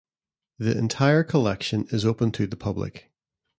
The entire collection is open to the public.